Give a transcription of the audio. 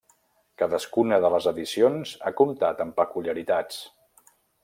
Cadascuna de les edicions ha comptat amb peculiaritats.